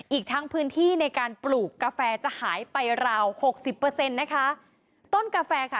อีกทั้งพื้นที่ในการปลูกกาแฟจะหายไปราวหกสิบเปอร์เซ็นต์นะคะต้นกาแฟค่ะ